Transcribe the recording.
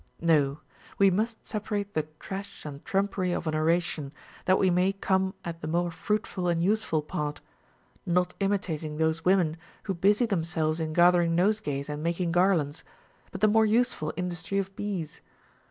8. No, we must separate the trash and trumpery of an oration, that we may come at the more fruitful and useful part ; not imitating those women Avho busy themselves in gathering nosegays and making garlands, but the more useful industry of bees.